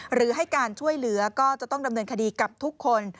หรือให้การช่วยเหลือก็จะต้องดำเนินคดีกับทุกคน